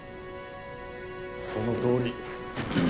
そのとおり。